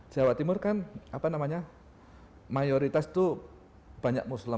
jawa timur kan apa namanya mayoritas itu banyak muslim